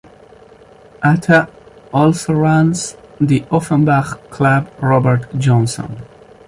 Ata also runs the Offenbach club Robert Johnson.